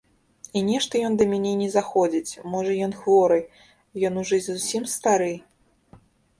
І нешта ён да мяне не заходзіць, можа, ён хворы, ён ужо зусім стары.